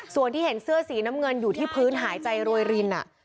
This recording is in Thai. ส่วนที่เห็นเสื้อสีน้ำเงินหายใจโรยรินอะ